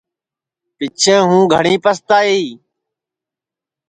پِچھیں ہُوں گھٹؔی پستائی